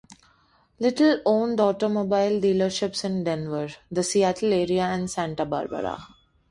Little owned automobile dealerships in Denver, the Seattle area and Santa Barbara.